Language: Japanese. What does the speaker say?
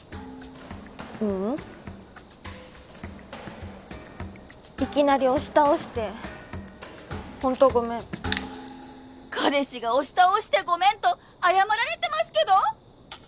もうううんいきなり押し倒してホントごめん彼氏が押し倒してごめんと謝られてますけど！？